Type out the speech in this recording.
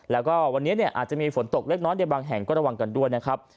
แล้วก็วันนี้อาจจะมีฝนตกเล็กน้อยในบางแห่งก็ระวังกันด้วยนะครับ